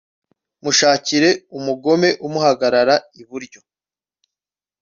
mushakire umugome umuhagarara iburyo